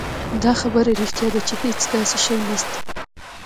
دا خبره رښتيا ده چې هېڅ داسې شی نشته.